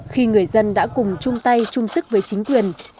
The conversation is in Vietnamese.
khi người dân đã cùng chung tay chung sức với chính quyền